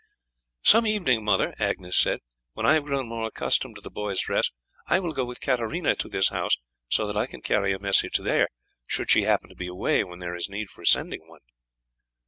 "Some evening, mother," Agnes said, "when I have grown more accustomed to this boy's dress I will go with Katarina to this house so that I can carry a message there, should she happen to be away when there is need for sending one."